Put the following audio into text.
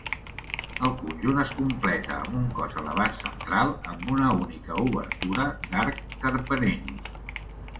El conjunt es completa amb un cos elevat central amb una única obertura d'arc carpanell.